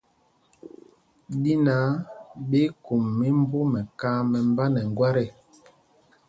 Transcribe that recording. Ɗí náǎ ɓí í kum mimbú mɛkam mɛmbá nɛ ŋgwát ê.